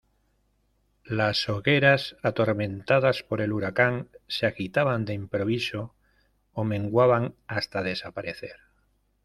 las hogueras, atormentadas por el huracán , se agitaban de improviso ó menguaban hasta desaparecer.